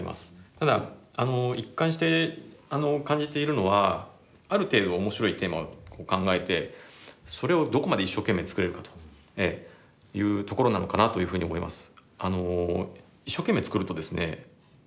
ただ一貫して感じているのはある程度面白いテーマを考えてそれをどこまで一生懸命作れるかというところなのかなというふうに思います。